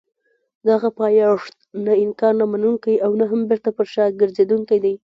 دغه پایښت نه انکار نه منونکی او نه هم بېرته پر شا ګرځېدونکی دی.